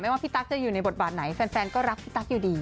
ว่าพี่ตั๊กจะอยู่ในบทบาทไหนแฟนก็รักพี่ตั๊กอยู่ดี